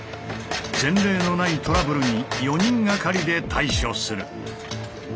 前例のないトラブルに４人がかりで対処する。